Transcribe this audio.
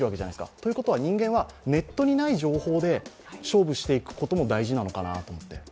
ということは人間はネットにない情報で勝負していくことも大事なのかなと思って。